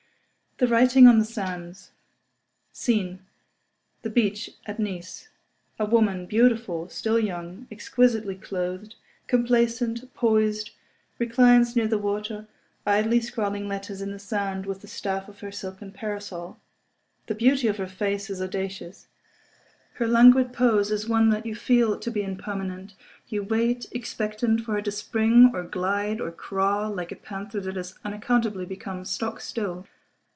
The Writing on the Sands SCENE—The Beach at Nice. A woman, beautiful, still young, exquisitely clothed, complacent, poised, reclines near the water, idly scrawling letters in the sand with the staff of her silken parasol. The beauty of her face is audacious; her languid pose is one that you feel to be impermanent—you wait, expectant, for her to spring or glide or crawl, like a panther that has unaccountably become stock still.